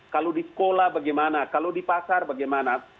kalau di sekolah bagaimana kalau di pasar bagaimana